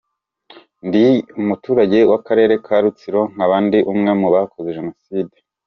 Ndi umuturage w’Akarere ka Rutsiro nkaba ndi umwe mu bakoze Jenoside.